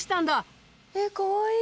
えっかわいい。